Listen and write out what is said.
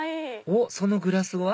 おっそのグラスは？